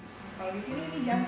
kalau di sini ini jangkau